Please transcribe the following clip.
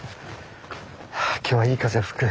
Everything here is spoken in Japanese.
はあ今日はいい風吹く。